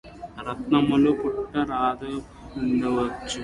రత్నమాల పుట్ట రంధ్రాన పడవైచి